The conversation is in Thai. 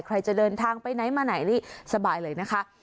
ใครจะเดินทางไปไหนมาไหนนี่สบายเลยนะคะ